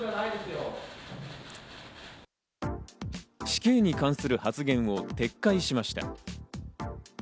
死刑に関する発言を撤回しました。